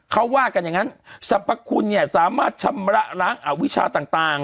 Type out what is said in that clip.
เขาว่ากันอย่างนั้นสรรพคุณเนี่ยสามารถชำระล้างอวิชาต่าง